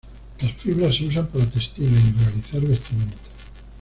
Las fibras se usan para textiles y realizar vestimenta.